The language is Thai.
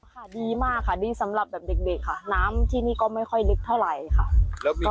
ค่ะดีมากค่ะดีสำหรับแบบเด็กค่ะน้ำที่นี่ก็ไม่ค่อยลึกเท่าไหร่ค่ะ